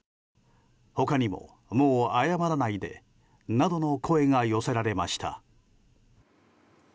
他にももう謝らないでなどの声が寄せられました。